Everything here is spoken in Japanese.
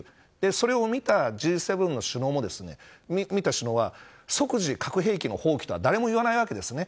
それを見たＧ７の首脳は即時、核兵器の放棄とは誰も言わないわけですね。